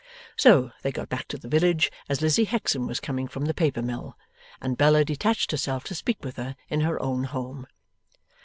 So, they got back to the village as Lizzie Hexam was coming from the paper mill, and Bella detached herself to speak with her in her own home.